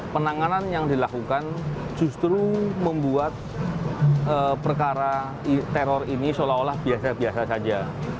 penanganan yang dilakukan justru membuat perkara teror ini seolah olah biasa biasa saja